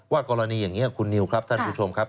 กรณีอย่างนี้คุณนิวครับท่านผู้ชมครับ